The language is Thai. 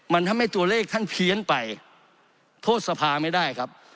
มันทำให้ตัวเลขท่านเพี้ยนไปโทษสภาไม่ได้ครับ